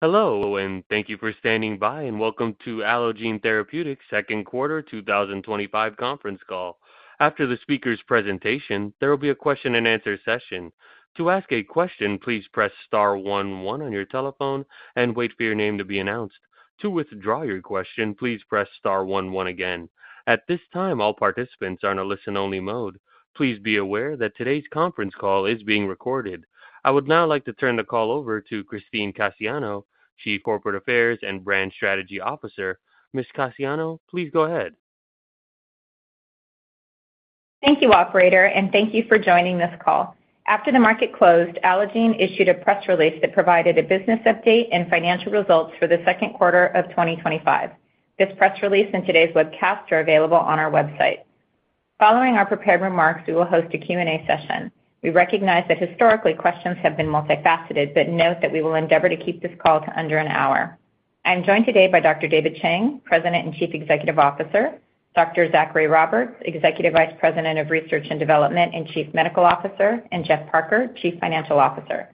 Hello, and thank you for standing by, and welcome to Allogene Therapeutics' second quarter 2025 conference call. After the speaker's presentation, there will be a question and answer session. To ask a question, please press star one one on your telephone and wait for your name to be announced. To withdraw your question, please press star one one again. At this time, all participants are in a listen-only mode. Please be aware that today's conference call is being recorded. I would now like to turn the call over to Christine Cassiano, Chief Corporate Affairs and Brand Strategy Officer. Ms. Cassiano, please go ahead. Thank you, operator, and thank you for joining this call. After the market closed, Allogene Therapeutics issued a press release that provided a business update and financial results for the second quarter of 2025. This press release and today's webcast are available on our website. Following our prepared remarks, we will host a Q&A session. We recognize that historically questions have been multifaceted, but note that we will endeavor to keep this call to under an hour. I'm joined today by Dr. David Chang, President and Chief Executive Officer; Dr. Zachary Roberts, Executive Vice President of Research and Development and Chief Medical Officer; and Geoff Parker, Chief Financial Officer.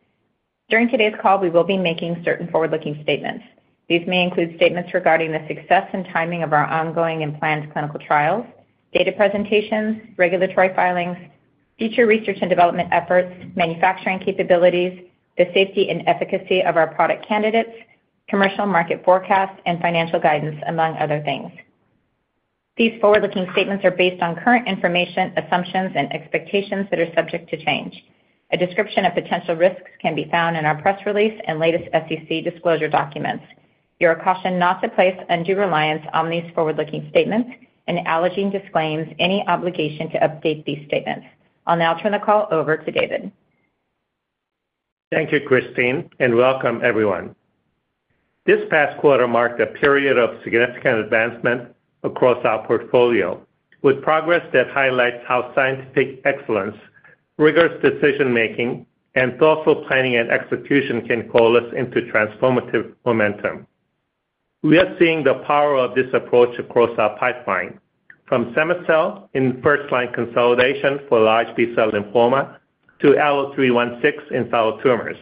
During today's call, we will be making certain forward-looking statements. These may include statements regarding the success and timing of our ongoing and planned clinical trials, data presentations, regulatory filings, future research and development efforts, manufacturing capabilities, the safety and efficacy of our product candidates, commercial market forecasts, and financial guidance, among other things. These forward-looking statements are based on current information, assumptions, and expectations that are subject to change. A description of potential risks can be found in our press release and latest SEC disclosure documents. We are cautioned not to place undue reliance on these forward-looking statements, and Allogene Therapeutics disclaims any obligation to update these statements. I'll now turn the call over to David. Thank you, Christine, and welcome, everyone. This past quarter marked a period of significant advancement across our portfolio, with progress that highlights how scientific excellence, rigorous decision-making, and thoughtful planning and execution can coalesce into transformative momentum. We are seeing the power of this approach across our pipeline, from Cema-cel in first-line consolidation for large B-cell lymphoma to ALLO-316 in solid tumors,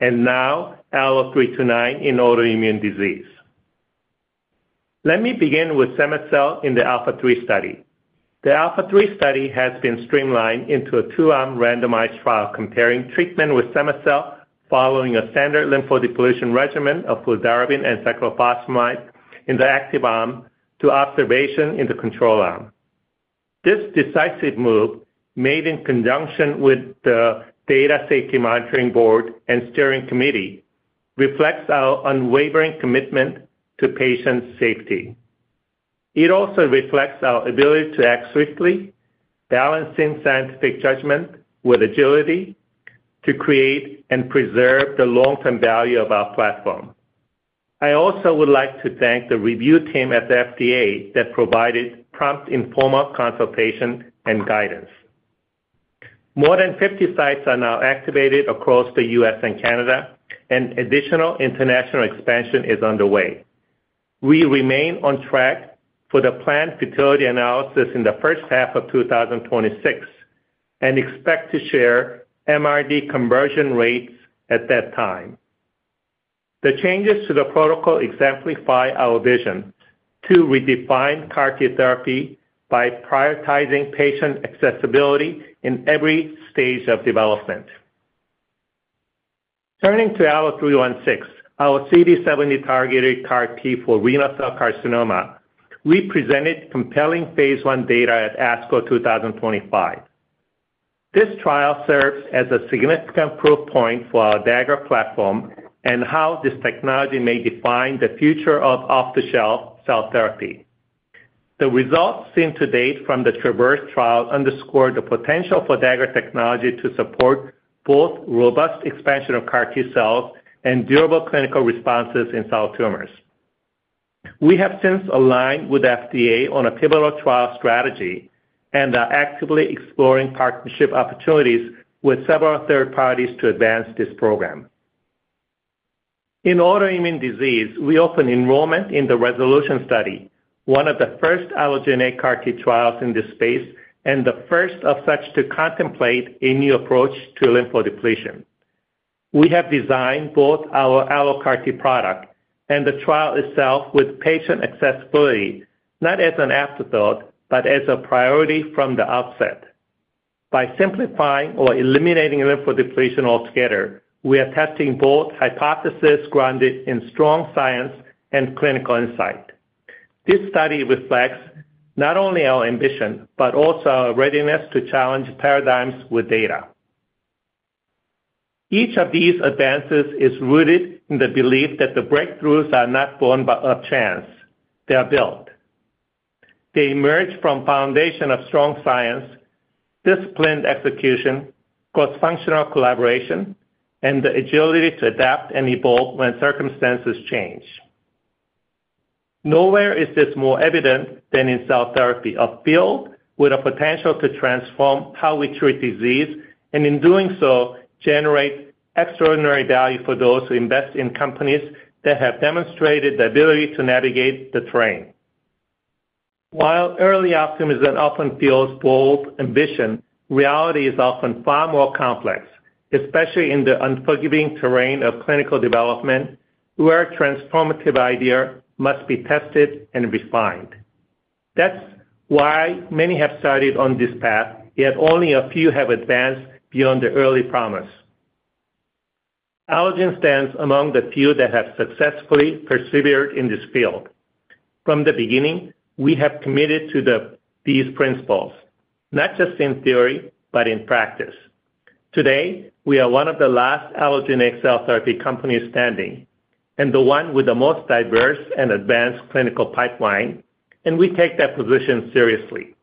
and now ALLO-329 in autoimmune disease. Let me begin with Cema-cel in the ALPHA3 study. The ALPHA3 study has been streamlined into a two-arm randomized trial comparing treatment with Cema-cel following a standard lymphodepletion regimen of fludarabine and cyclophosphamide in the active arm to observation in the control arm. This decisive move, made in conjunction with the Data Safety Monitoring Board and Steering Committee, reflects our unwavering commitment to patient safety. It also reflects our ability to act swiftly, balancing scientific judgment with agility to create and preserve the long-term value of our platform. I also would like to thank the review team at the FDA that provided prompt informal consultation and guidance. More than 50 sites are now activated across the U.S. and Canada, and additional international expansion is underway. We remain on track for the planned futility analysis in the first half of 2026 and expect to share MRD conversion rates at that time. The changes to the protocol exemplify our vision to redefine CAR T therapy by prioritizing patient accessibility in every stage of development. Turning to ALLO-316, our CD70-targeted CAR T for renal cell carcinoma, we presented compelling Phase 1 data at ASCO 2025. This trial serves as a significant proof point for our Dagger technology platform and how this technology may define the future of off-the-shelf cell therapy. The results seen to date from the TRAVERSE trial underscore the potential for Dagger technology to support both robust expansion of CAR T cells and durable clinical responses in solid tumors. We have since aligned with the FDA on a pivotal trial strategy and are actively exploring partnership opportunities with several third parties to advance this program. In autoimmune disease, we opened enrollment in the RESOLUTION study, one of the first allogeneic CAR T trials in this space and the first of such to contemplate a new approach to lymphodepletion. We have designed both our AlloCAR T product and the trial itself with patient accessibility, not as an afterthought but as a priority from the outset. By simplifying or eliminating lymphodepletion altogether, we are testing both hypotheses grounded in strong science and clinical insight. This study reflects not only our ambition but also our readiness to challenge paradigms with data. Each of these advances is rooted in the belief that the breakthroughs are not born by chance; they are built. They emerge from a foundation of strong science, disciplined execution, cross-functional collaboration, and the agility to adapt and evolve when circumstances change. Nowhere is this more evident than in cell therapy, a field with a potential to transform how we treat disease and, in doing so, generate extraordinary value for those who invest in companies that have demonstrated the ability to navigate the terrain. While early optimism often fuels bold ambition, reality is often far more complex, especially in the unforgiving terrain of clinical development, where transformative ideas must be tested and refined. That's why many have started on this path, yet only a few have advanced beyond the early promise. Allogene Therapeutics stands among the few that have successfully persevered in this field. From the beginning, we have committed to these principles, not just in theory but in practice. Today, we are one of the last allogeneic cell therapy companies standing and the one with the most diverse and advanced clinical pipeline, and we take that position seriously.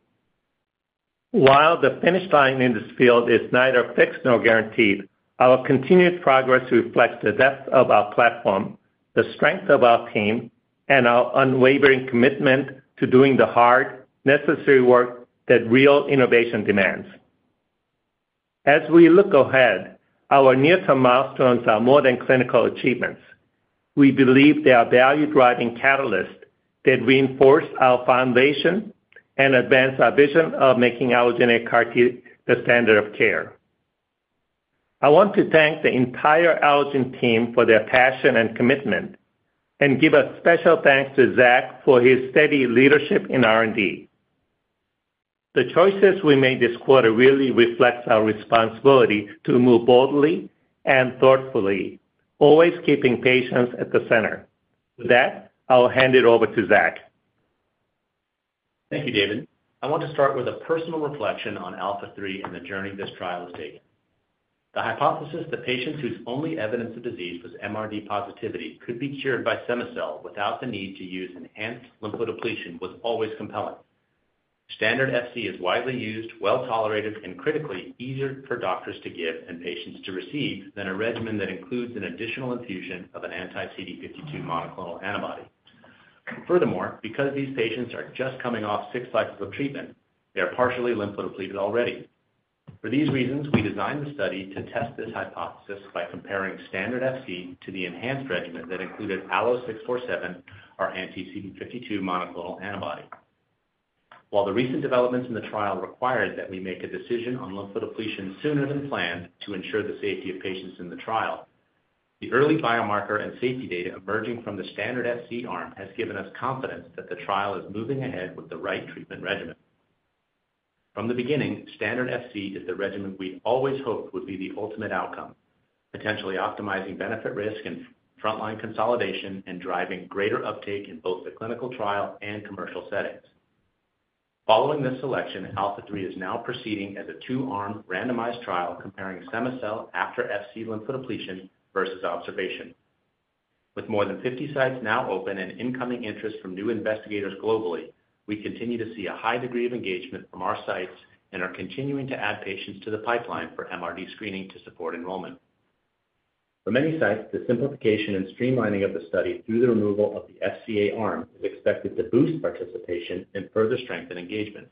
While the finish line in this field is neither fixed nor guaranteed, our continued progress reflects the depth of our platform, the strength of our team, and our unwavering commitment to doing the hard, necessary work that real innovation demands. As we look ahead, our near-term milestones are more than clinical achievements. We believe they are value-driving catalysts that reinforce our foundation and advance our vision of making allogeneic CAR T the standard of care. I want to thank the entire Allogene Therapeutics team for their passion and commitment and give a special thanks to Zach for his steady leadership in R&D. The choices we made this quarter really reflect our responsibility to move boldly and thoughtfully, always keeping patients at the center. With that, I'll hand it over to Zach. Thank you, David. I want to start with a personal reflection on ALPHA3 and the journey this trial has taken. The hypothesis that patients whose only evidence of disease was MRD positivity could be cured by Cema-cel without the need to use enhanced lymphodepletion was always compelling. Standard FC is widely used, well tolerated, and critically easier for doctors to give and patients to receive than a regimen that includes an additional infusion of an anti-CD52 monoclonal antibody. Furthermore, because these patients are just coming off six cycles of treatment, they are partially lymphodepleted already. For these reasons, we designed the study to test this hypothesis by comparing standard FC to the enhanced regimen that included ALLO-647, our anti-CD52 monoclonal antibody. While the recent developments in the trial required that we make a decision on lymphodepletion sooner than planned to ensure the safety of patients in the trial, the early biomarker and safety data emerging from the standard FC arm has given us confidence that the trial is moving ahead with the right treatment regimen. From the beginning, standard FC is the regimen we'd always hoped would be the ultimate outcome, potentially optimizing benefit-risk and front-line consolidation and driving greater uptake in both the clinical trial and commercial settings. Following this selection, ALPHA3 is now proceeding as a two-arm randomized trial comparing Cema-cel after FC lymphodepletion versus observation. With more than 50 sites now open and incoming interest from new investigators globally, we continue to see a high degree of engagement from our sites and are continuing to add patients to the pipeline for MRD screening to support enrollment. For many sites, the simplification and streamlining of the study through the removal of the FCA arm is expected to boost participation and further strengthen engagement.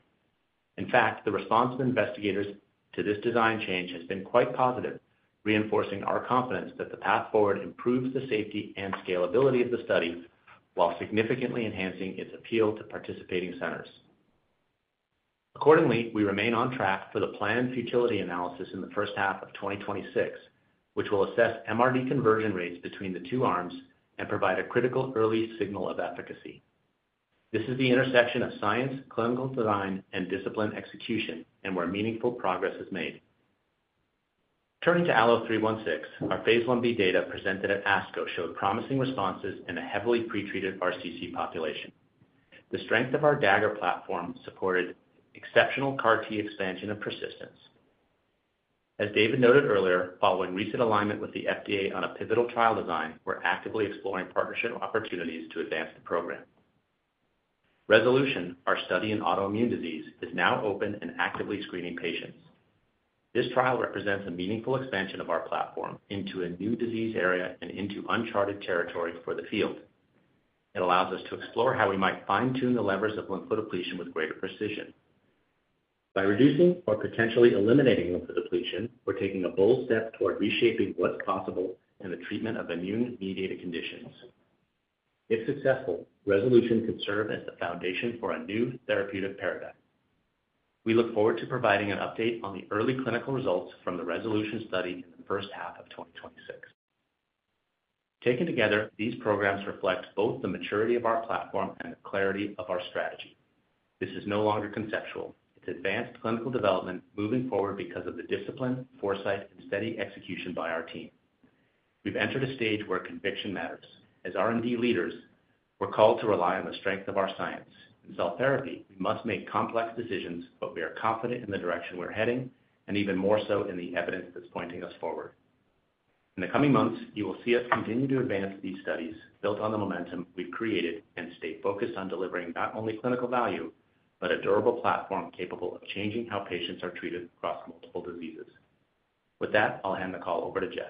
In fact, the response from investigators to this design change has been quite positive, reinforcing our confidence that the path forward improves the safety and scalability of the study while significantly enhancing its appeal to participating centers. Accordingly, we remain on track for the planned futility analysis in the first half of 2026, which will assess MRD conversion rates between the two arms and provide a critical early signal of efficacy. This is the intersection of science, clinical design, and disciplined execution, and where meaningful progress is made. Turning to ALLO-316, our Phase 1b data presented at ASCO showed promising responses in a heavily pretreated RCC population. The strength of our Dagger technology supported exceptional CAR T expansion and persistence. As David noted earlier, following recent alignment with the FDA on a pivotal trial design, we're actively exploring partnership opportunities to advance the program. RESOLUTION, our study in autoimmune disease, is now open and actively screening patients. This trial represents a meaningful expansion of our platform into a new disease area and into uncharted territory for the field. It allows us to explore how we might fine-tune the levers of lymphodepletion with greater precision. By reducing or potentially eliminating lymphodepletion, we're taking a bold step toward reshaping what's possible in the treatment of immune-mediated conditions. If successful, RESOLUTION could serve as the foundation for a new therapeutic paradigm. We look forward to providing an update on the early clinical results from the RESOLUTION trial in the first half of 2026. Taken together, these programs reflect both the maturity of our platform and the clarity of our strategy. This is no longer conceptual. It's advanced clinical development moving forward because of the discipline, foresight, and steady execution by our team. We've entered a stage where conviction matters. As R&D leaders, we're called to rely on the strength of our science. In cell therapy, we must make complex decisions, but we are confident in the direction we're heading and even more so in the evidence that's pointing us forward. In the coming months, you will see us continue to advance these studies built on the momentum we've created and stay focused on delivering not only clinical value but a durable platform capable of changing how patients are treated across multiple diseases. With that, I'll hand the call over to Geoff.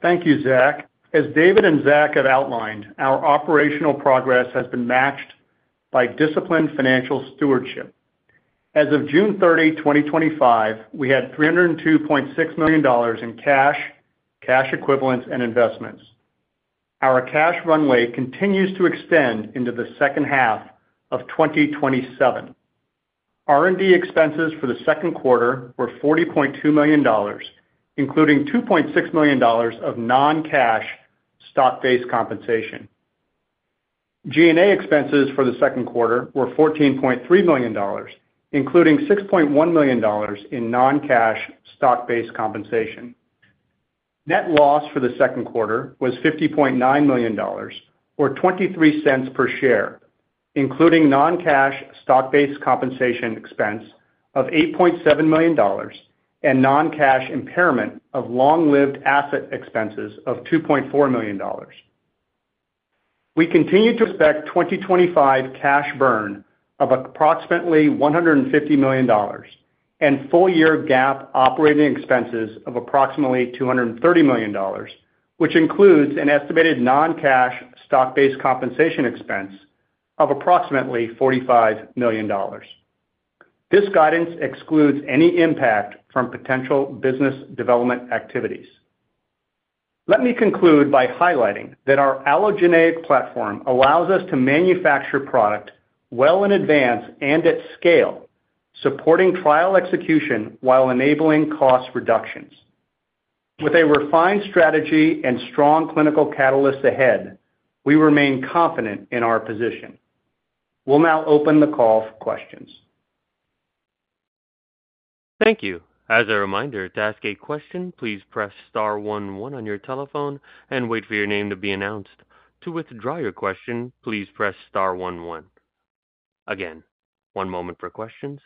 Thank you, Zach. As David and Zach have outlined, our operational progress has been matched by disciplined financial stewardship. As of June 30, 2025, we had $302.6 million in cash, cash equivalents, and investments. Our cash runway continues to extend into the second half of 2027. R&D expenses for the second quarter were $40.2 million, including $2.6 million of non-cash stock-based compensation. G&A expenses for the second quarter were $14.3 million, including $6.1 million in non-cash stock-based compensation. Net loss for the second quarter was $50.9 million, or $0.23 per share, including non-cash stock-based compensation expense of $8.7 million and non-cash impairment of long-lived asset expenses of $2.4 million. We continue to expect 2025 cash burn of approximately $150 million and full-year GAAP operating expenses of approximately $230 million, which includes an estimated non-cash stock-based compensation expense of approximately $45 million. This guidance excludes any impact from potential business development activities. Let me conclude by highlighting that our allogeneic platform allows us to manufacture product well in advance and at scale, supporting trial execution while enabling cost reductions. With a refined strategy and strong clinical catalysts ahead, we remain confident in our position. We'll now open the call for questions. Thank you. As a reminder, to ask a question, please press star one one on your telephone and wait for your name to be announced. To withdraw your question, please press star one one. Again, one moment for questions.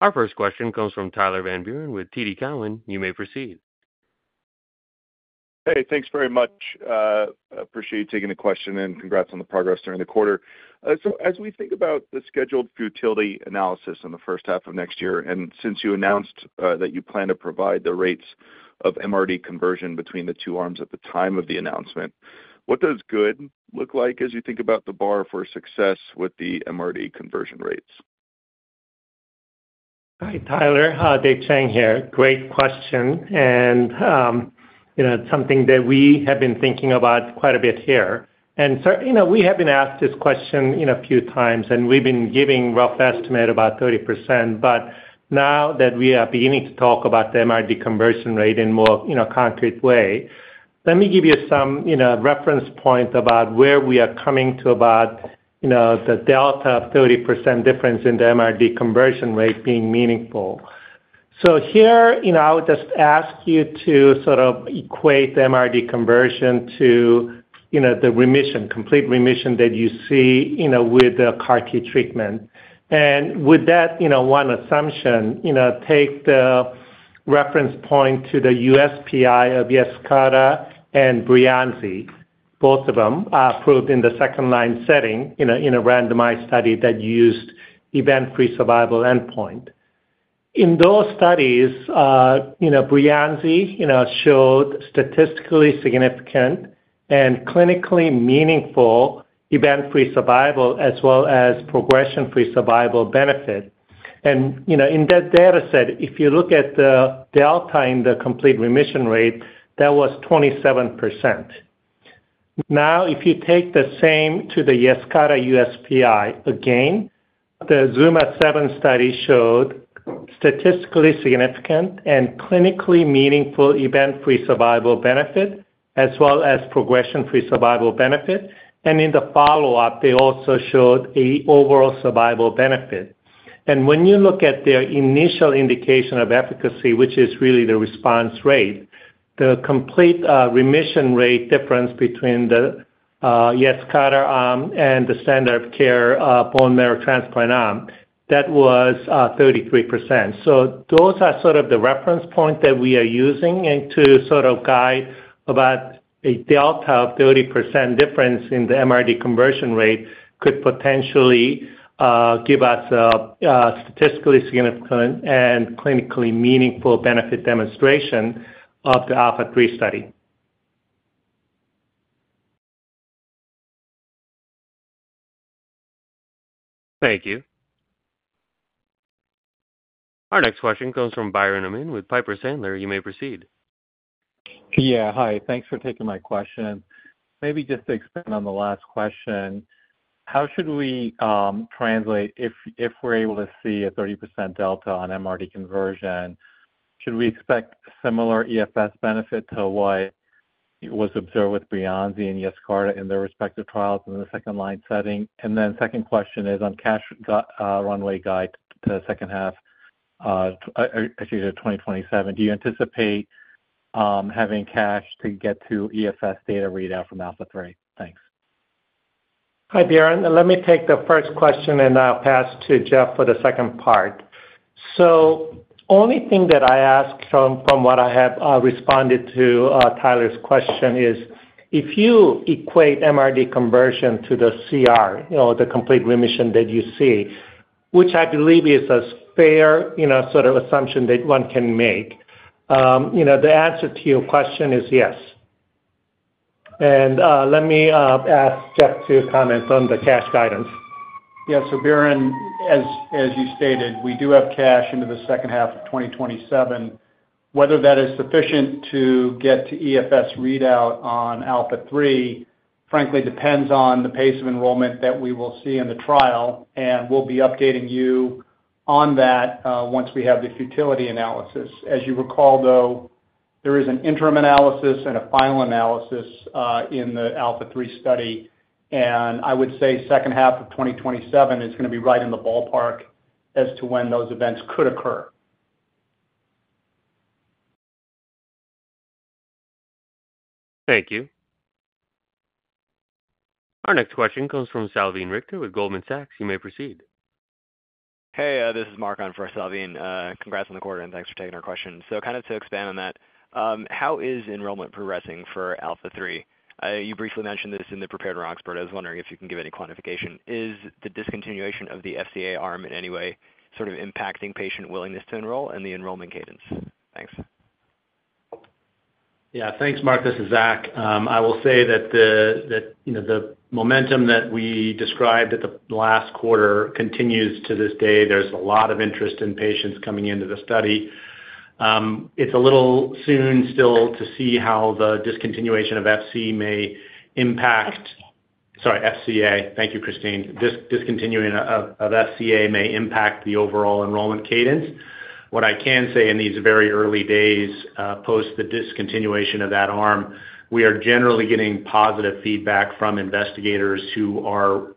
Our first question comes from Tyler Martin Van Buren with TD Cowen. You may proceed. Hey, thanks very much. Appreciate you taking the question and congrats on the progress during the quarter. As we think about the scheduled fertility analysis in the first half of next year, and since you announced that you plan to provide the rates of MRD conversion between the two arms at the time of the announcement, what does good look like as you think about the bar for success with the MRD conversion rates? Hi, Tyler. Dave Chang here. Great question. It's something that we have been thinking about quite a bit here. We have been asked this question a few times, and we've been giving a rough estimate about 30%. Now that we are beginning to talk about the MRD conversion rate in a more concrete way, let me give you some reference points about where we are coming to about the delta of 30% difference in the MRD conversion rate being meaningful. Here, I would just ask you to sort of equate the MRD conversion to the remission, complete remission that you see with the CAR T treatment. With that, one assumption, take the reference point to the USPI of Yescarta and Breyanzi. Both of them are approved in the second-line setting in a randomized study that used event-free survival endpoint. In those studies, Breyanzi showed statistically significant and clinically meaningful event-free survival as well as progression-free survival benefit. In that data set, if you look at the delta in the complete remission rate, that was 27%. If you take the same to the Yescarta USPI again, the ZUMA 7 study showed statistically significant and clinically meaningful event-free survival benefit as well as progression-free survival benefit. In the follow-up, they also showed an overall survival benefit. When you look at their initial indication of efficacy, which is really the response rate, the complete remission rate difference between the Yescarta arm and the standard of care bone marrow transplant arm, that was 33%. Those are sort of the reference points that we are using to sort of guide about a delta of 30% difference in the MRD conversion rate could potentially give us a statistically significant and clinically meaningful benefit demonstration of the ALPHA3 study. Thank you. Our next question comes from Biren N. Amin with Piper Sandler. You may proceed. Yeah, hi. Thanks for taking my question. Maybe just to expand on the last question, how should we translate if we're able to see a 30% delta on MRD conversion? Should we expect similar EFS benefit to what was observed with Breyanzi and Yescarta in their respective trials in the second-line setting? The second question is on cash runway guide to the second half, I see to 2027. Do you anticipate having cash to get to EFS data readout from ALPHA3? Thanks. Hi, Byron. Let me take the first question, and I'll pass to Geoff for the second part. The only thing that I ask from what I have responded to Tyler's question is if you equate MRD conversion to the CR, you know, the complete remission that you see, which I believe is a fair, you know, sort of assumption that one can make, you know, the answer to your question is yes. Let me ask Geoff to comment on the cash guidance. Yeah, so Byron, as you stated, we do have cash into the second half of 2027. Whether that is sufficient to get to EFS readout on ALPHA3, frankly, depends on the pace of enrollment that we will see in the trial, and we'll be updating you on that once we have the futility analysis. As you recall, though, there is an interim analysis and a final analysis in the ALPHA3 study, and I would say second half of 2027 is going to be right in the ballpark as to when those events could occur. Thank you. Our next question comes from Salveen Richter with Goldman Sachs. You may proceed. Hey, this is Mark on for Salveen. Congrats on the quarter, and thanks for taking our question. To expand on that, how is enrollment progressing for ALPHA3? You briefly mentioned this in the prepared remarks, but I was wondering if you can give any quantification. Is the discontinuation of the FCA arm in any way impacting patient willingness to enroll and the enrollment cadence? Thanks. Yeah, thanks, Mark this is Zach. I will say that the momentum that we described at the last quarter continues to this day. There's a lot of interest in patients coming into the study. It's a little soon still to see how the discontinuation of FC may impact, sorry, FCA. Thank you, Christine. Discontinuation of FCA may impact the overall enrollment cadence. What I can say in these very early days post the discontinuation of that arm, we are generally getting positive feedback from investigators who are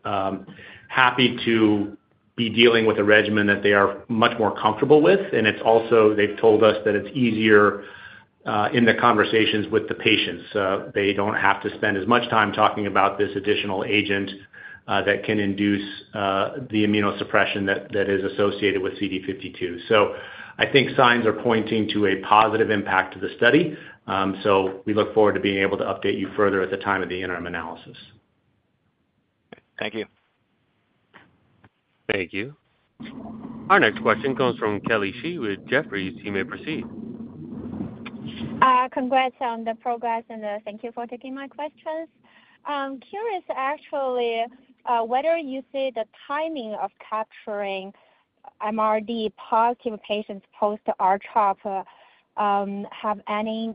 happy to be dealing with a regimen that they are much more comfortable with. It's also, they've told us that it's easier in the conversations with the patients. They don't have to spend as much time talking about this additional agent that can induce the immunosuppression that is associated with CD52. I think signs are pointing to a positive impact to the study. We look forward to being able to update you further at the time of the interim analysis. Thank you. Thank you. Our next question comes from Kelly Shi with Jefferies. You may proceed. Congrats on the progress, and thank you for taking my questions. I'm curious, actually, whether you see the timing of capturing MRD positive patients post R-CHOP have any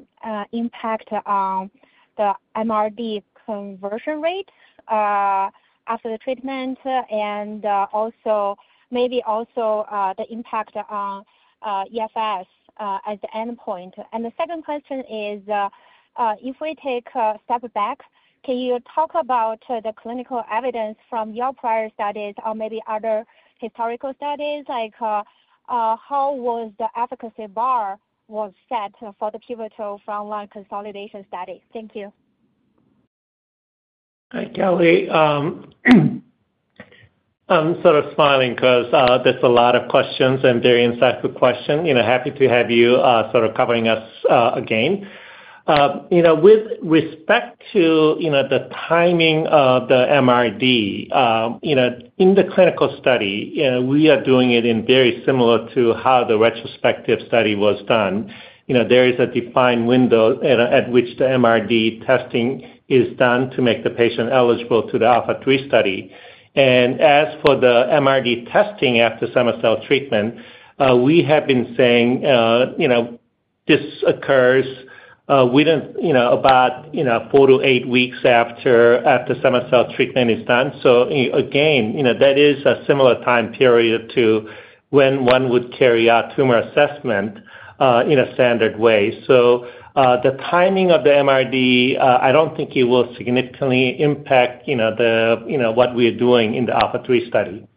impact on the MRD conversion rate after the treatment, and also maybe also the impact on EFS as the endpoint. The second question is, if we take a step back, can you talk about the clinical evidence from your prior studies or maybe other historical studies, like how was the efficacy bar set for the pivotal frontline consolidation study? Thank you. Hi, Kelly. I'm sort of smiling because that's a lot of questions and very insightful questions. Happy to have you sort of covering us again. With respect to the timing of the MRD, in the clinical study, we are doing it very similar to how the retrospective study was done. There is a defined window at which the MRD testing is done to make the patient eligible to the ALPHA3 study. As for the MRD testing after Cema-cel treatment, we have been saying this occurs within about four to eight weeks after Cema-cel treatment is done. That is a similar time period to when one would carry out tumor assessment in a standard way. The timing of the MRD, I don't think it will significantly impact what we are doing in the ALPHA3 study.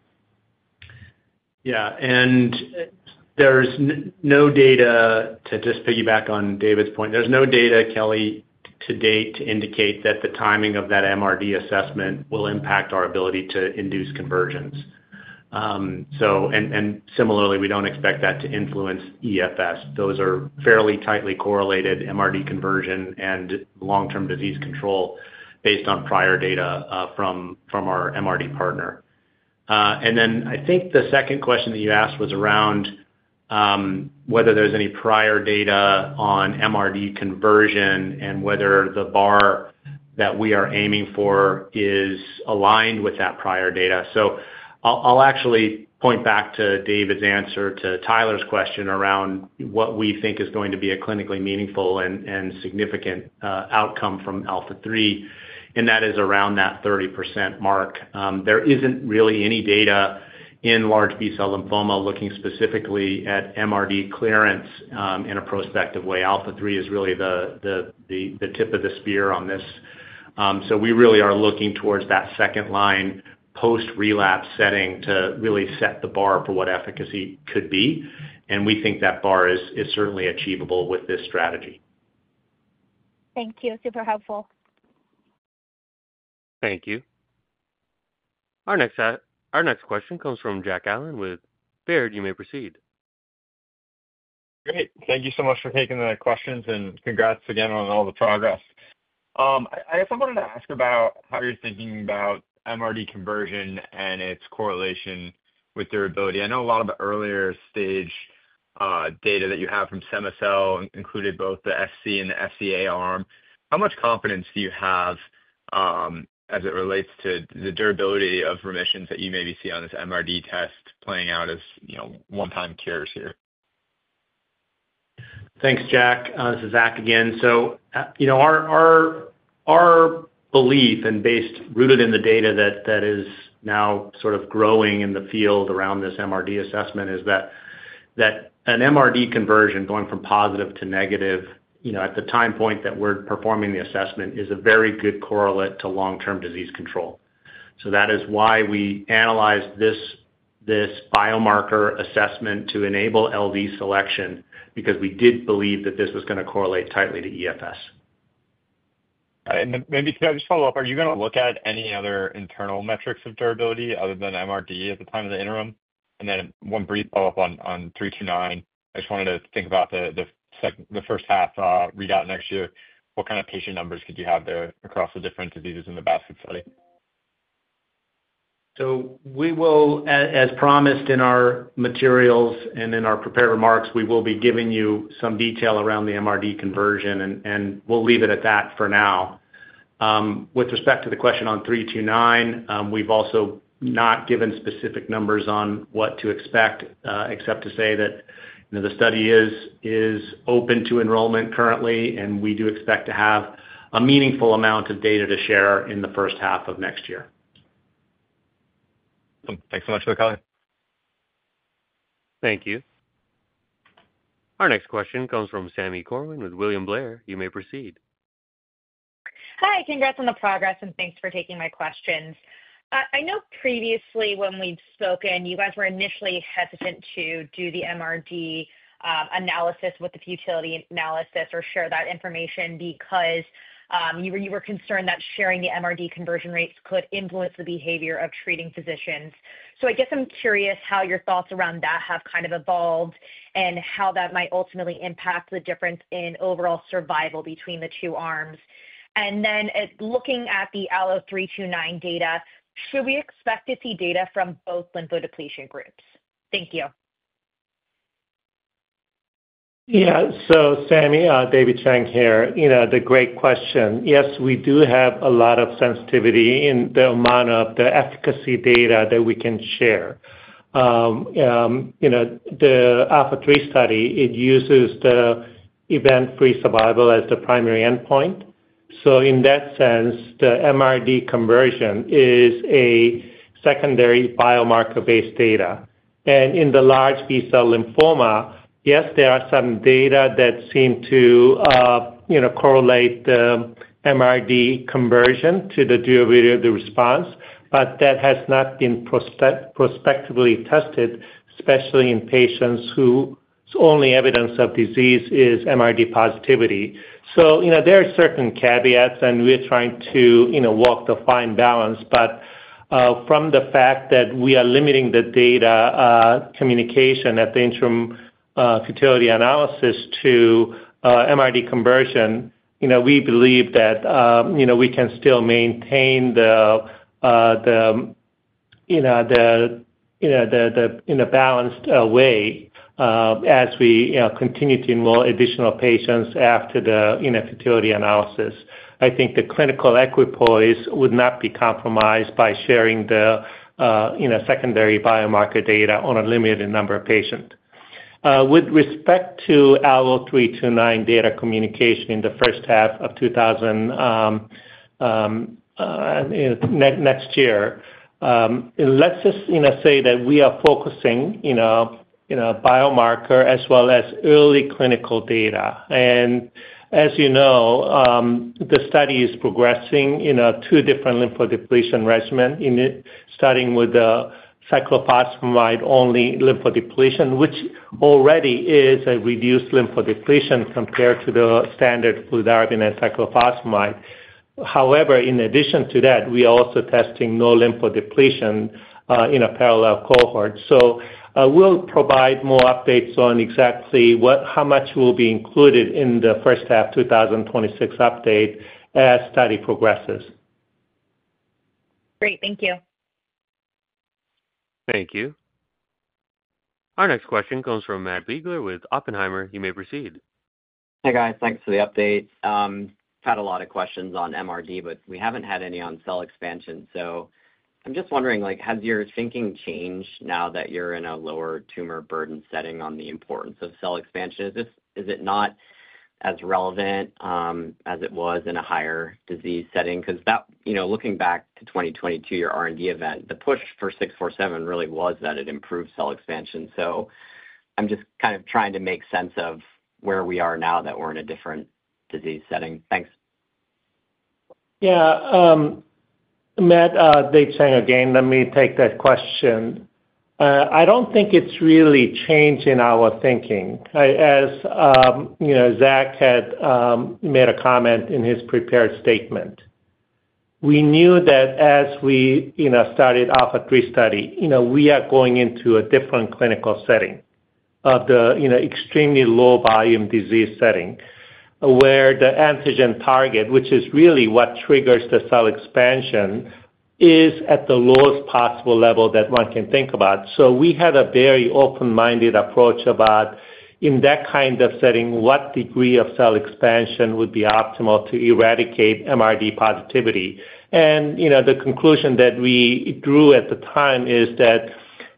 Yeah, and there's no data to just piggyback on David's point. There's no data, Kelly, to date to indicate that the timing of that MRD assessment will impact our ability to induce conversions. Similarly, we don't expect that to influence EFS. Those are fairly tightly correlated, MRD conversion and long-term disease control, based on prior data from our MRD partner. I think the second question that you asked was around whether there's any prior data on MRD conversion and whether the bar that we are aiming for is aligned with that prior data. I'll actually point back to David's answer to Tyler's question around what we think is going to be a clinically meaningful and significant outcome from ALPHA3, and that is around that 30% mark. There isn't really any data in large B-cell lymphoma looking specifically at MRD clearance in a prospective way. ALPHA3 is really the tip of the spear on this. We really are looking towards that second-line post-relapse setting to set the bar for what efficacy could be, and we think that bar is certainly achievable with this strategy. Thank you. Super helpful. Thank you. Our next question comes from Jack Kilgannon Allen with Robert W. Baird & Co. You may proceed. Great. Thank you so much for taking the questions and congrats again on all the progress. I guess I wanted to ask about how you're thinking about MRD conversion and its correlation with durability. I know a lot of the earlier stage data that you have from Cema-cel included both the FC and the FCA arm. How much confidence do you have as it relates to the durability of remissions that you maybe see on this MRD test playing out as, you know, one-time cures here? Thanks, Jack. This is Zach again. Our belief, and based rooted in the data that is now sort of growing in the field around this MRD assessment, is that an MRD conversion going from positive to negative at the time point that we're performing the assessment is a very good correlate to long-term disease control. That is why we analyzed this biomarker assessment to enable LD selection because we did believe that this was going to correlate tightly to EFS. Maybe can I just follow up? Are you going to look at any other internal metrics of durability other than MRD at the time of the interim? One brief follow-up on 329. I just wanted to think about the first half readout next year. What kind of patient numbers could you have there across the different diseases in the basket study? As promised in our materials and in our prepared remarks, we will be giving you some detail around the MRD conversion, and we'll leave it at that for now. With respect to the question on 329, we've also not given specific numbers on what to expect, except to say that the study is open to enrollment currently, and we do expect to have a meaningful amount of data to share in the first half of next year. Thanks so much for the call. Thank you. Our next question comes from Samantha Danielle Corwin with William Blair. You may proceed. Hi, congrats on the progress, and thanks for taking my questions. I know previously when we've spoken, you guys were initially hesitant to do the MRD analysis with the futility analysis or share that information because you were concerned that sharing the MRD conversion rates could influence the behavior of treating physicians. I'm curious how your thoughts around that have kind of evolved and how that might ultimately impact the difference in overall survival between the two arms. Looking at the ALLO-329 data, should we expect to see data from both lymphodepletion groups? Thank you. Yeah, so Sammy, David Chang here. The great question. Yes, we do have a lot of sensitivity in the amount of the efficacy data that we can share. The ALPHA3 study uses the event-free survival as the primary endpoint. In that sense, the MRD conversion is a secondary biomarker-based data. In the large B-cell lymphoma, yes, there are some data that seem to correlate the MRD conversion to the durability of the response, but that has not been prospectively tested, especially in patients whose only evidence of disease is MRD positivity. There are certain caveats, and we're trying to walk the fine balance. From the fact that we are limiting the data communication at the interim futility analysis to MRD conversion, we believe that we can still maintain the balanced way as we continue to enroll additional patients after the futility analysis. I think the clinical equipoise would not be compromised by sharing the secondary biomarker data on a limited number of patients. With respect to ALLO-329 data communication in the first half of next year, let's just say that we are focusing on biomarker as well as early clinical data. As you know, the study is progressing in two different lymphodepletion regimens, starting with the cyclophosphamide-only lymphodepletion, which already is a reduced lymphodepletion compared to the standard fludarabine and cyclophosphamide. In addition to that, we are also testing no lymphodepletion in a parallel cohort. We'll provide more updates on exactly how much will be included in the first half of 2026 update as the study progresses. Great, thank you. Thank you. Our next question comes from Matt Biegler with Oppenheimer & Co. You may proceed. Hey guys, thanks for the update. I've had a lot of questions on MRD, but we haven't had any on cell expansion. I'm just wondering, has your thinking changed now that you're in a lower tumor burden setting on the importance of cell expansion? Is it not as relevant as it was in a higher disease setting? Looking back to 2022, your R&D event, the push for 647 really was that it improved cell expansion. I'm just trying to make sense of where we are now that we're in a different disease setting. Thanks. Yeah, Matt, Dave Chang again, let me take that question. I don't think it's really changing our thinking. As Zach had made a comment in his prepared statement, we knew that as we started ALPHA3 trial, you know, we are going into a different clinical setting of the extremely low-volume disease setting where the antigen target, which is really what triggers the cell expansion, is at the lowest possible level that one can think about. We had a very open-minded approach about in that kind of setting, what degree of cell expansion would be optimal to eradicate MRD positivity. The conclusion that we drew at the time is that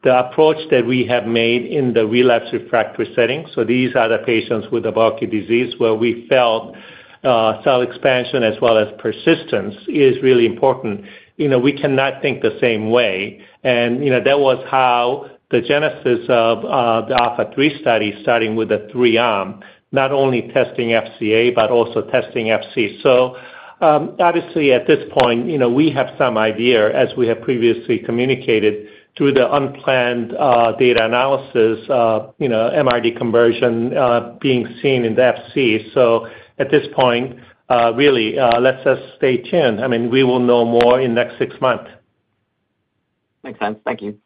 the approach that we have made in the relapse refractory setting, so these are the patients with the bulky disease where we felt cell expansion as well as persistence is really important. We cannot think the same way. That was how the genesis of the ALPHA3 trial, starting with the three arm, not only testing FCA, but also testing FC. Obviously at this point, we have some idea, as we have previously communicated, through the unplanned data analysis, MRD conversion being seen in the FC. At this point, really, let's just stay tuned. I mean, we will know more in the next six months. Makes sense. Thank you.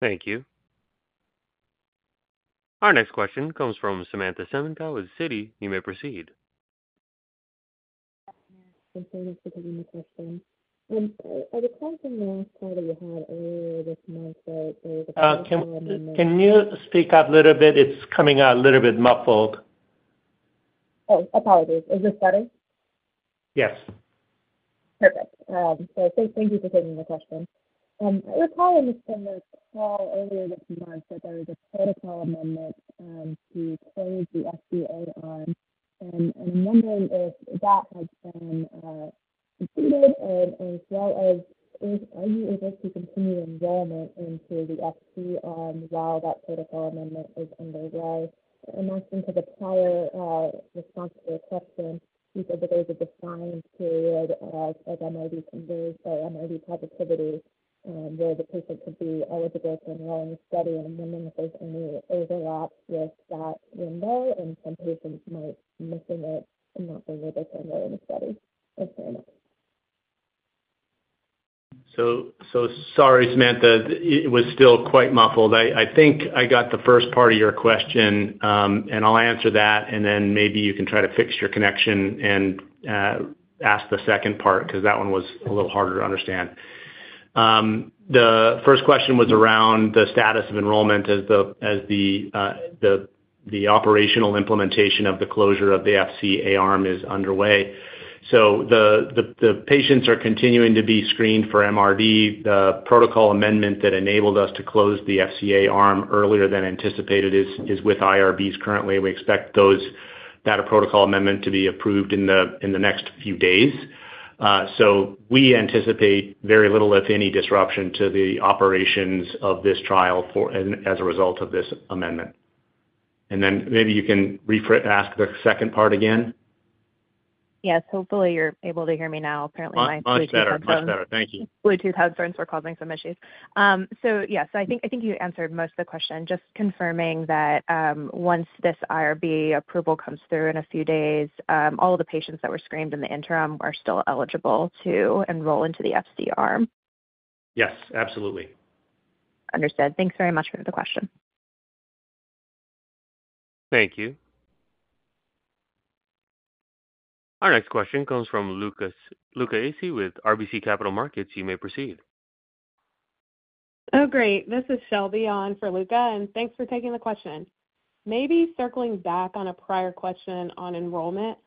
Thank you. Our next question comes from Samantha Danielle Corwin with Citigroup. You may proceed. I'm sorry for giving the question. I was pausing the last part that we had earlier this month. Kim, can you speak up a little bit? It's coming out a little bit muffled. Oh, apologies. Is this better? Yes. Perfect. Thanks for giving the question. I apologize for the call earlier this month that there was a protocol amendment to close the FCA arm. I'm wondering if that has been completed and as well as if you are able to continue enrollment into the FCA arm while that protocol amendment is underway. In my sense of the prior response to your question, you said that there's a defined period of MRD positivity where the patient could be eligible for enrolling in the study and I'm wondering if there's any overlap with that window and some patients might be missing it and not being able to enroll in the study. Thanks very much. Sorry, Samantha, it was still quite muffled. I think I got the first part of your question, and I'll answer that and then maybe you can try to fix your connection and ask the second part because that one was a little harder to understand. The first question was around the status of enrollment as the operational implementation of the closure of the FCA arm is underway. The patients are continuing to be screened for MRD. The protocol amendment that enabled us to close the FCA arm earlier than anticipated is with IRBs currently. We expect that protocol amendment to be approved in the next few days. We anticipate very little, if any, disruption to the operations of this trial as a result of this amendment. Maybe you can ask the second part again. Yes, hopefully you're able to hear me now. Apparently, my speech is getting better. Much better, much better. Thank you. Bluetooth headphones were causing some issues. I think you answered most of the question. Just confirming that once this IRB approval comes through in a few days, all of the patients that were screened in the interim are still eligible to enroll into the FCA arm. Yes, absolutely. Understood. Thanks very much for the question. Thank you. Our next question comes from Luca Acey with RBC Capital Markets. You may proceed. Oh, great. This is Shelby on for Luca, and thanks for taking the question. Maybe circling back on a prior question on enrollment,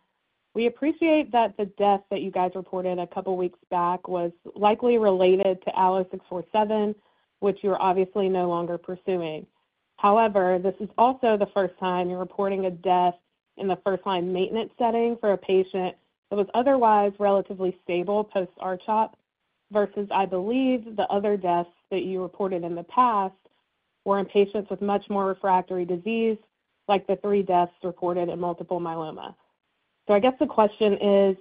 we appreciate that the death that you guys reported a couple of weeks back was likely related to ALLO-647, which you're obviously no longer pursuing. However, this is also the first time you're reporting a death in the first-line maintenance setting for a patient that was otherwise relatively stable post-R-CHOP versus, I believe, the other deaths that you reported in the past were in patients with much more refractory disease, like the three deaths reported in multiple myeloma. I guess the question is,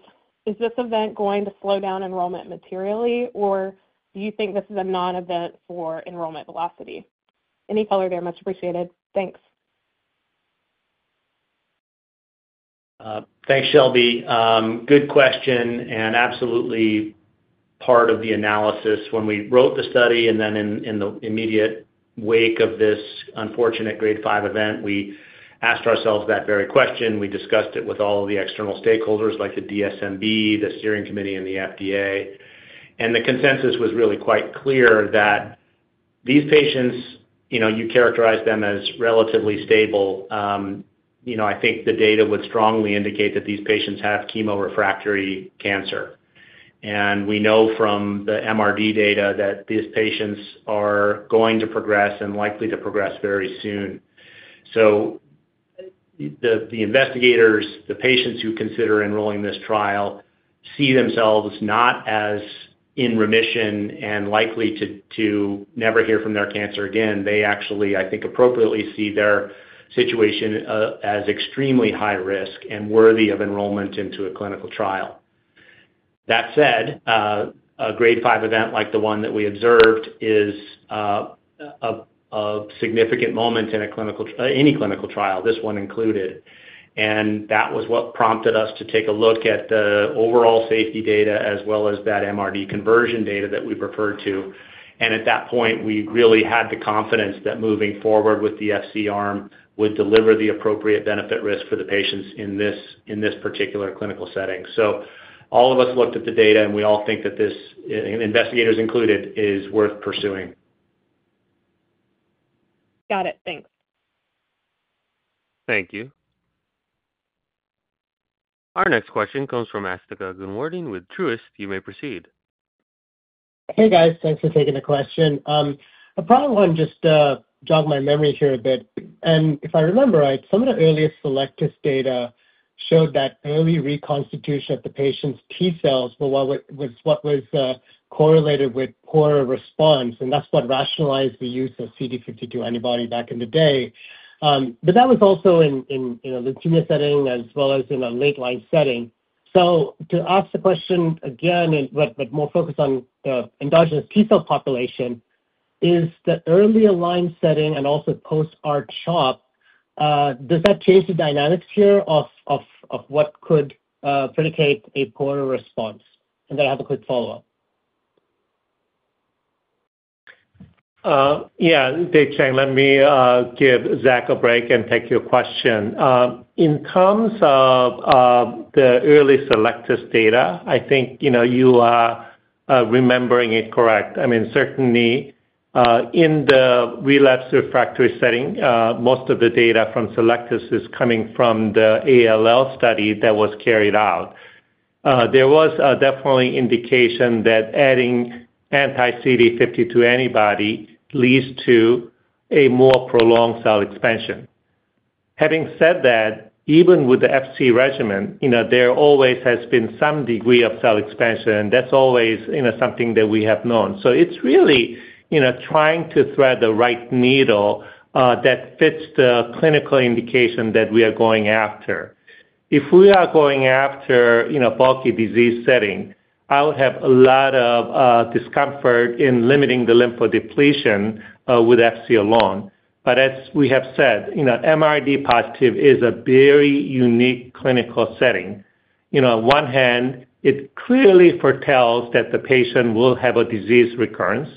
is this event going to slow down enrollment materially, or do you think this is a non-event for enrollment velocity? Any color there, much appreciated. Thanks. Thanks, Shelby. Good question and absolutely part of the analysis. When we wrote the study and then in the immediate wake of this unfortunate grade 5 event, we asked ourselves that very question. We discussed it with all of the external stakeholders like the DSMB, the steering committee, and the FDA. The consensus was really quite clear that these patients, you know, you characterize them as relatively stable. I think the data would strongly indicate that these patients have chemo-refractory cancer. We know from the MRD data that these patients are going to progress and likely to progress very soon. The investigators, the patients who consider enrolling in this trial, see themselves not as in remission and likely to never hear from their cancer again. They actually, I think, appropriately see their situation as extremely high risk and worthy of enrollment into a clinical trial. That said, a grade 5 event like the one that we observed is a significant moment in any clinical trial, this one included. That was what prompted us to take a look at the overall safety data as well as that MRD conversion data that we referred to. At that point, we really had the confidence that moving forward with the FCA arm would deliver the appropriate benefit risk for the patients in this particular clinical setting. All of us looked at the data, and we all think that this, investigators included, is worth pursuing. Got it. Thanks. Thank you. Our next question comes from Asthika Sarith Goonewardene with Truist Securities. You may proceed. Hey guys, thanks for taking the question. I probably want to just jog my memory here a bit. If I remember right, some of the earliest selective data showed that early reconstitution of the patient's T cells was what was correlated with poorer response. That was what rationalized the use of CD52 antibody back in the day. That was also in a leukemia setting as well as in a late line setting. To ask the question again, but more focused on the endogenous T cell population, is the earlier line setting and also post-R-CHOP, does that change the dynamics here of what could predicate a poorer response? I have a quick follow-up. Yeah, Dave Chang, let me give Zach a break and take your question. In terms of the early selective data, I think you are remembering it correct. I mean, certainly, in the relapse refractory setting, most of the data from selective is coming from the ALL study that was carried out. There was definitely an indication that adding anti-CD52 antibody leads to a more prolonged cell expansion. Having said that, even with the FC regimen, there always has been some degree of cell expansion, and that's always something that we have known. It's really trying to thread the right needle that fits the clinical indication that we are going after. If we are going after a bulky disease setting, I would have a lot of discomfort in limiting the lymphodepletion with FC alone. As we have said, MRD positive is a very unique clinical setting. On one hand, it clearly foretells that the patient will have a disease recurrence.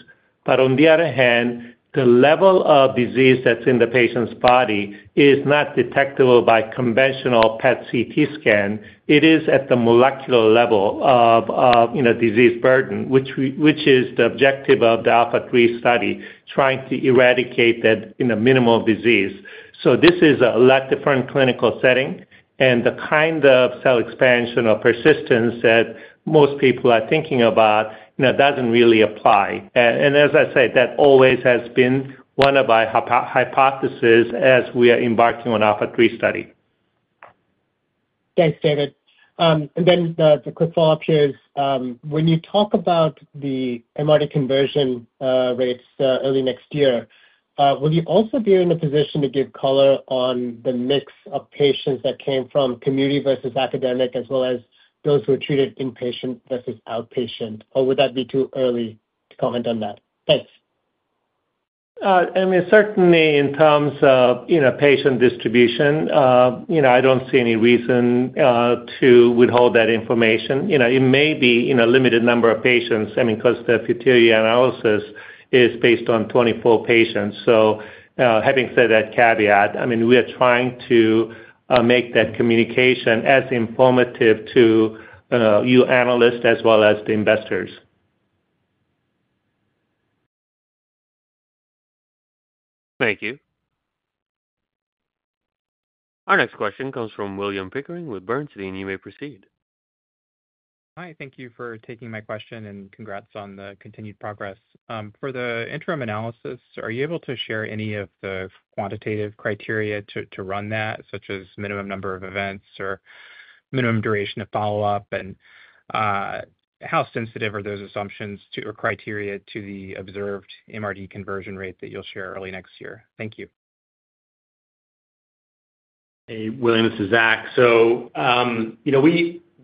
On the other hand, the level of disease that's in the patient's body is not detectable by conventional PET/CT scan. It is at the molecular level of disease burden, which is the objective of the ALPHA3 study, trying to eradicate that minimal disease. This is a lot different clinical setting, and the kind of cell expansion or persistence that most people are thinking about doesn't really apply. As I said, that always has been one of our hypotheses as we are embarking on the ALPHA3 study. Thanks, David. The quick follow-up here is when you talk about the MRD conversion rates early next year, will you also be in the position to give color on the mix of patients that came from community versus academic, as well as those who are treated inpatient versus outpatient? Would that be too early to comment on that? Thanks. Certainly in terms of patient distribution, I don't see any reason to withhold that information. It may be in a limited number of patients because the futility analysis is based on 24 patients. Having said that caveat, we are trying to make that communication as informative to you analysts as well as the investors. Thank you. Our next question comes from William Pickering with William Blair & Company. You may proceed. Hi, thank you for taking my question and congrats on the continued progress. For the interim analysis, are you able to share any of the quantitative criteria to run that, such as minimum number of events or minimum duration of follow-up? How sensitive are those assumptions or criteria to the observed MRD conversion rate that you'll share early next year? Thank you. Hey, William, this is Zach.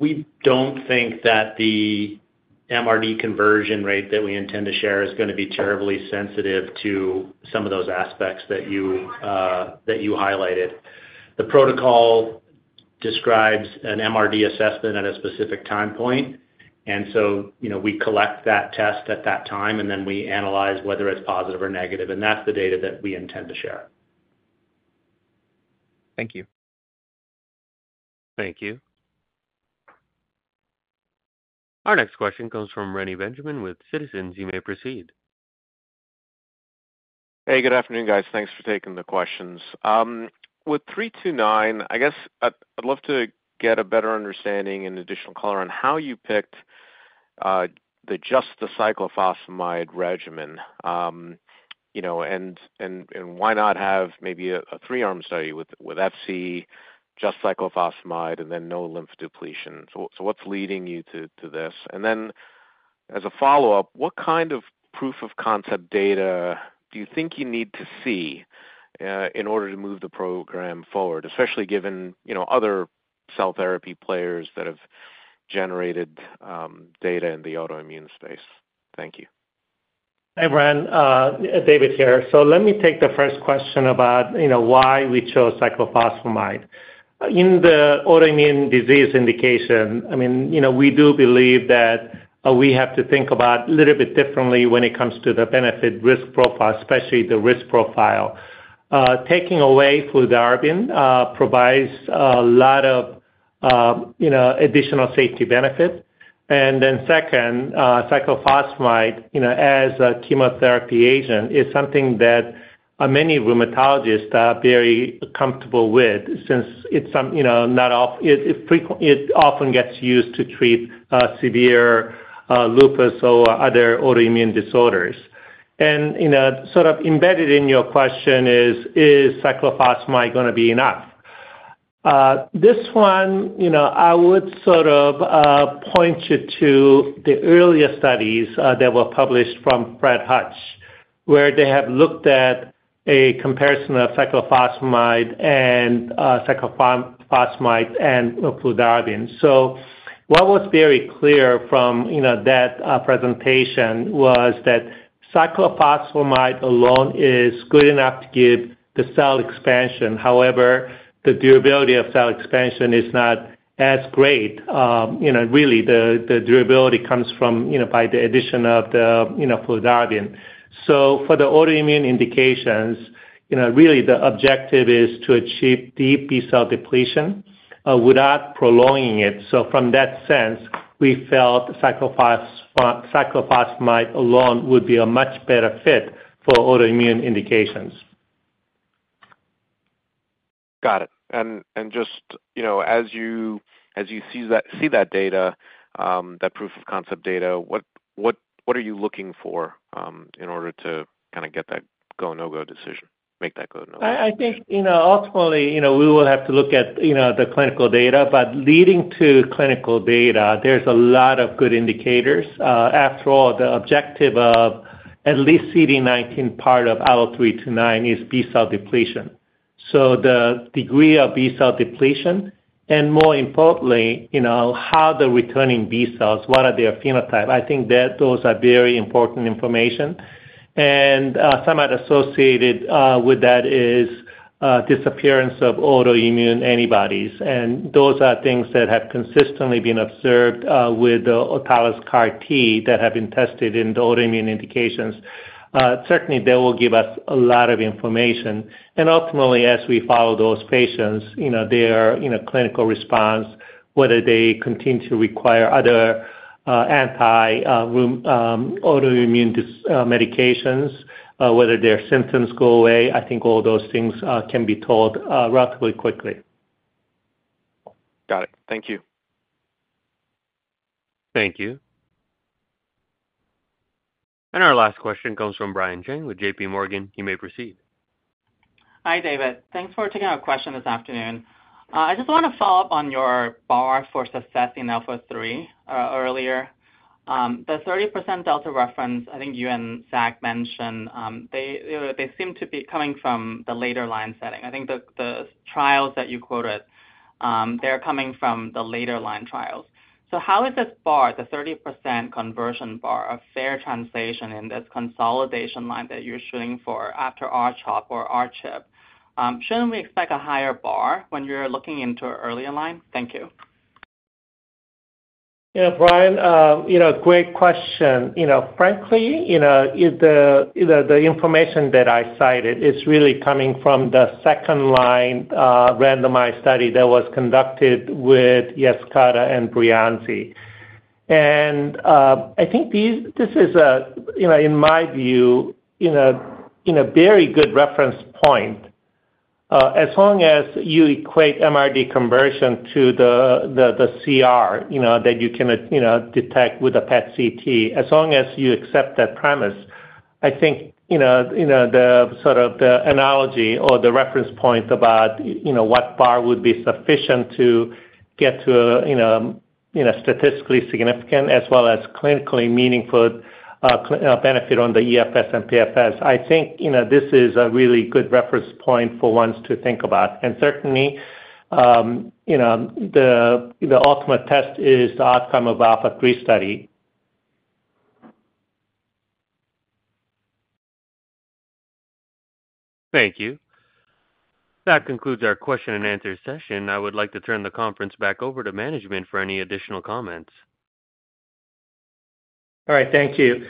We don't think that the MRD conversion rate that we intend to share is going to be terribly sensitive to some of those aspects that you highlighted. The protocol describes an MRD assessment at a specific time point. We collect that test at that time, and then we analyze whether it's positive or negative. That's the data that we intend to share. Thank you. Thank you. Our next question comes from Reni John Benjamin with Citizens JMP Securities. You may proceed. Hey, good afternoon, guys. Thanks for taking the questions. With 329, I guess I'd love to get a better understanding and additional color on how you picked just the cyclophosphamide regimen. You know, and why not have maybe a three-arm study with FC, just cyclophosphamide, and then no lymphodepletion? What's leading you to this? As a follow-up, what kind of proof of concept data do you think you need to see in order to move the program forward, especially given, you know, other cell therapy players that have generated data in the autoimmune space? Thank you. Hey, Brian. David here. Let me take the first question about why we chose cyclophosphamide. In the autoimmune disease indication, we do believe that we have to think about it a little bit differently when it comes to the benefit-risk profile, especially the risk profile. Taking away fludarabine provides a lot of additional safety benefit. Second, cyclophosphamide as a chemotherapy agent is something that many rheumatologists are very comfortable with since it often gets used to treat severe lupus or other autoimmune disorders. Embedded in your question is, is cyclophosphamide going to be enough? I would point you to the earlier studies that were published from Fred Hutch, where they have looked at a comparison of cyclophosphamide and fludarabine. What was very clear from that presentation was that cyclophosphamide alone is good enough to give the cell expansion. However, the durability of cell expansion is not as great. The durability comes from the addition of the fludarabine. For the autoimmune indications, the objective is to achieve deep B-cell depletion without prolonging it. From that sense, we felt cyclophosphamide alone would be a much better fit for autoimmune indications. As you see that data, that proof of concept data, what are you looking for in order to kind of get that go/no-go decision, make that go/no-go? I think, ultimately, we will have to look at the clinical data. Leading to clinical data, there's a lot of good indicators. After all, the objective of at least the CD19 part of ALLO-329 is B-cell depletion. The degree of B-cell depletion, and more importantly, how they're returning B-cells, what are their phenotypes, I think those are very important information. Somewhat associated with that is the disappearance of autoimmune antibodies. Those are things that have consistently been observed with the autologous CAR T that have been tested in the autoimmune indications. That will give us a lot of information. Ultimately, as we follow those patients, their clinical response, whether they continue to require other anti-autoimmune medications, whether their symptoms go away, I think all those things can be told relatively quickly. Got it. Thank you. Thank you. Our last question comes from Brian Cheng with JPMorgan Chase & Co. You may proceed. Hi, David. Thanks for taking our question this afternoon. I just want to follow up on your bar for success in ALPHA3 earlier. The 30% delta reference, I think you and Zach mentioned, they seem to be coming from the later line setting. I think the trials that you quoted, they're coming from the later line trials. How is this bar, the 30% conversion bar, a fair translation in this consolidation line that you're shooting for after R-CHOP or R-CHIP? Shouldn't we expect a higher bar when you're looking into an earlier line? Thank you. Yeah, Brian, great question. The information that I cited is really coming from the second-line randomized study that was conducted with Yescarta and Breyanzi. I think this is, in my view, a very good reference point. As long as you equate MRD conversion to the CR that you can detect with a PET/CT, as long as you accept that premise, I think the analogy or the reference point about what bar would be sufficient to get to a statistically significant as well as clinically meaningful benefit on the EFS and PFS, this is a really good reference point for ones to think about. Certainly, the ultimate test is the outcome of the ALPHA3 study. Thank you. That concludes our question and answer session. I would like to turn the conference back over to management for any additional comments. All right, thank you.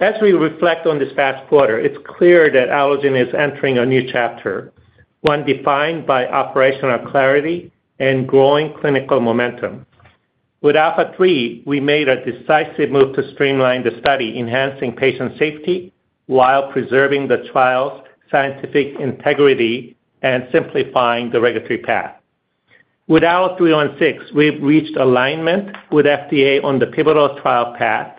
As we reflect on this past quarter, it's clear that Allogene Therapeutics is entering a new chapter, one defined by operational clarity and growing clinical momentum. With ALPHA3, we made a decisive move to streamline the study, enhancing patient safety while preserving the trial's scientific integrity and simplifying the regulatory path. With ALLO-316, we've reached alignment with the FDA on the pivotal trial path,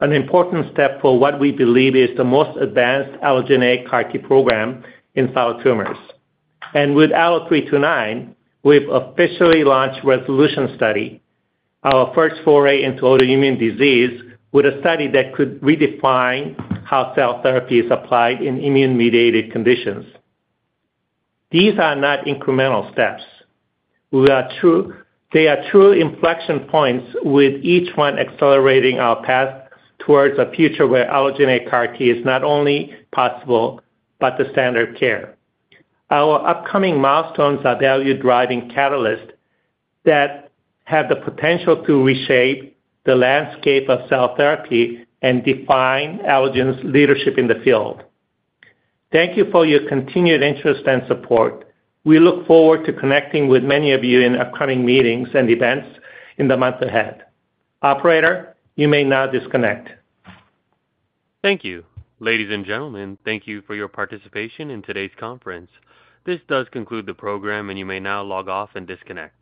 an important step for what we believe is the most advanced allogeneic CAR T program in solid tumors. With ALLO-329, we've officially launched the RESOLUTION trial, our first foray into autoimmune disease, with a study that could redefine how cell therapy is applied in immune-mediated conditions. These are not incremental steps. They are true inflection points, with each one accelerating our path towards a future where allogeneic CAR T is not only possible, but the standard of care. Our upcoming milestones are value-driving catalysts that have the potential to reshape the landscape of cell therapy and define Allogene Therapeutics' leadership in the field. Thank you for your continued interest and support. We look forward to connecting with many of you in upcoming meetings and events in the month ahead. Operator, you may now disconnect. Thank you. Ladies and gentlemen, thank you for your participation in today's conference. This does conclude the program, and you may now log off and disconnect.